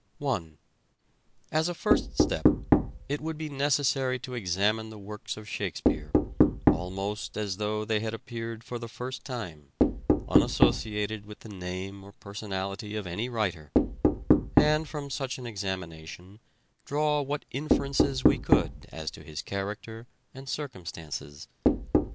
io6 " SHAKESPEARE " IDENTIFIED 1. As a first step it would be necessary to examine the works of Shakespeare, almost as though they had appeared for the first time, unassociated with the name or personality of any writer ; and from such an examination draw what inferences we could as to his character and circumstances.